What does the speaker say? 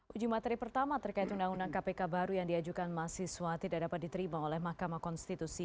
uji materi pertama terkait undang undang kpk baru yang diajukan mahasiswa tidak dapat diterima oleh mahkamah konstitusi